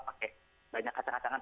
pakai banyak kacang kacangan